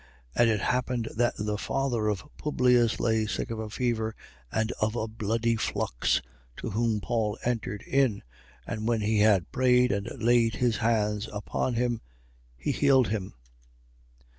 28:8. And it happened that the father of Publius lay sick of a fever and of a bloody flux. To whom Paul entered in. And when he had prayed and laid his hands on him, he healed him.